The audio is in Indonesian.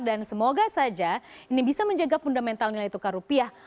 dan semoga saja ini bisa menjaga fundamental nilai tukar rupiah